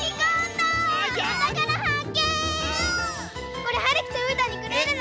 これはるきとうーたんにくれるの？